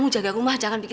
udahelas nturkan tadi